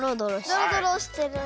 ドロドロしてる！